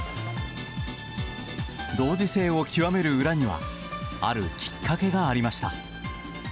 同時性を極める裏にはあるきっかけがありました。